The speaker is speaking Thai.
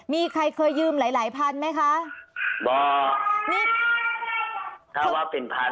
มีใครเคยยืมหลายหลายพันไหมคะบ่นิดถ้าว่าเป็นพัน